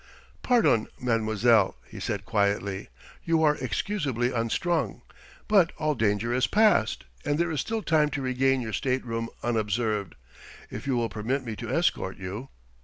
"Pardon, mademoiselle," he said quietly; "you are excusably unstrung. But all danger is past; and there is still time to regain your stateroom unobserved. If you will permit me to escort you...."